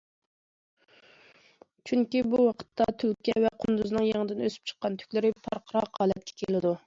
چۈنكى بۇ ۋاقىتتا تۈلكە ۋە قۇندۇزنىڭ يېڭىدىن ئۆسۈپ چىققان تۈكلىرى پارقىراق ھالەتكە كېلىدۇ.